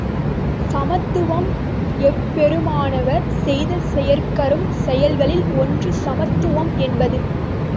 சமத்துவம் எம்பெருமானார் செய்த செயற்கரும் செயல்களில் ஒன்று சமத்துவம் என்பது.